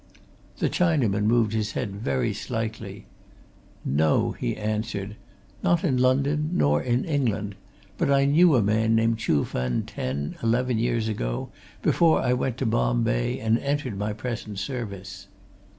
The Chinaman moved his head very slightly. "No," he answered. "Not in London nor in England. But I knew a man named Chuh Fen ten, eleven, years ago, before I went to Bombay and entered my present service."